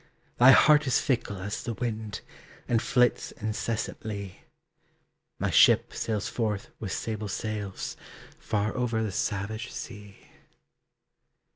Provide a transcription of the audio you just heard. Thy heart is fickle as the wind, And flits incessantly. My ship sails forth with sable sails, Far over the savage sea.